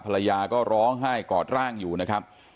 ภรรยาก็ร้องไห้กอดร่างอยู่นะครับ